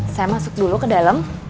saya masuk dulu ke dalam